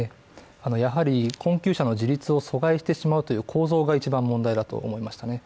やはり困窮者の自立を阻害してしまうという構造が一番問題だと思いましたね。